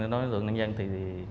nói thường năng dân thì